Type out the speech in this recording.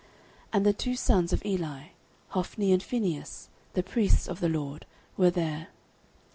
And the two sons of Eli, Hophni and Phinehas, the priests of the LORD, were there.